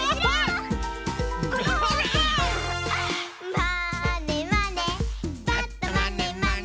「まーねまね」